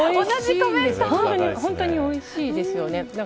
本当においしいですよね。